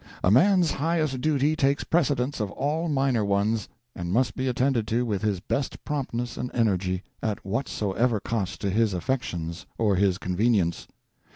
A man's highest duty takes precedence of all minor ones, and must be attended to with his best promptness and energy, at whatsoever cost to his affections or his convenience.